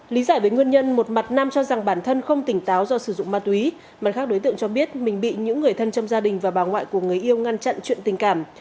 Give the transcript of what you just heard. lý giải với nguyên nhân một mặt nam cho rằng bản thân không tỉnh táo do sử dụng ma túy mặt khác đối tượng cho biết mình bị những người thân trong gia đình và bà ngoại của người yêu ngăn chặn chuyện tình cảm